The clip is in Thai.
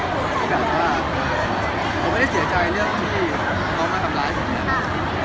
ก็แค่รู้สึกไม่ได้เสียใจเรื่องที่เขามาทำร้ายเรา